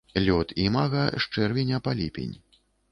Лёт імага з чэрвеня па ліпень.